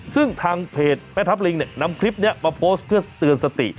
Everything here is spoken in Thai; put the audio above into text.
ซึ่งทางเพจแม่ทัพลิงเนี่ยนำคลิปนี้มาโพสต์เพื่อเตือนสติ